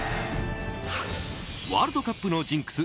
ワールドカップのジンクス